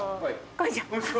こんにちは。